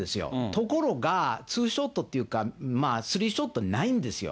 ところがツーショットっていうか、スリーショットないんですよ。